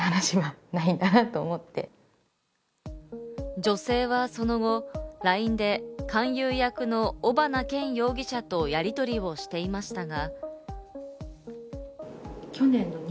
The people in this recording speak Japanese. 女性はその後、ＬＩＮＥで勧誘役の尾花研容疑者とやりとりをしていましたが。